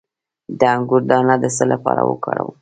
د انګور دانه د څه لپاره وکاروم؟